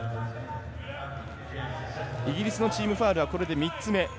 イギリスのチームファウルはこれで３つ目。